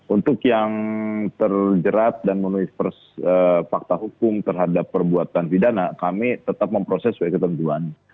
untuk yang terjerat dan menulis fakta hukum terhadap perbuatan pidana kami tetap memproses sesuai ketentuan